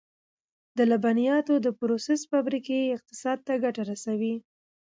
د لبنیاتو د پروسس فابریکې اقتصاد ته ګټه رسوي.